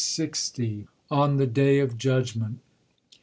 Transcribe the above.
217 On the Day of Judgment.